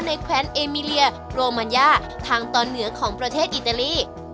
แขวนเอมิเลียโรมันยาทางตอนเหนือของประเทศอิตาลี